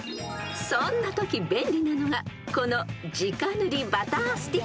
［そんなとき便利なのがこのじか塗り］